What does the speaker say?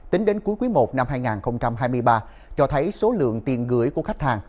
tính đến cuối quý i năm hai nghìn hai mươi ba cho thấy số lượng tiền gửi của khách hàng